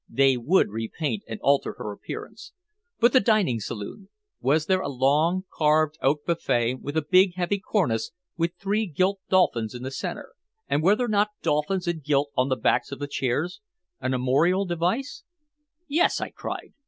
"They would repaint and alter her appearance. But the dining saloon. Was there a long carved oak buffet with a big, heavy cornice with three gilt dolphins in the center and were there not dolphins in gilt on the backs of the chairs an armorial device?" "Yes," I cried.